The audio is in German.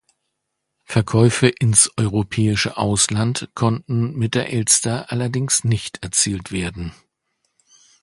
Verkäufe ins europäische Ausland konnten mit der Elster allerdings nicht erzielt werden.